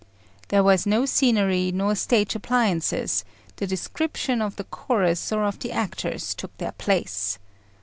There was no scenery, nor stage appliances; the descriptions of the chorus or of the actors took their place.